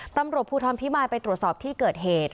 ตำรวจภูทรพิมายไปตรวจสอบที่เกิดเหตุ